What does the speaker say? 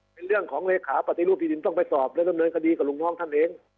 เป็นเรื่องของเลขาปฏิรูปที่ดินต้องไปสอบและดำเนินคดีกับลุงน้องท่านเอง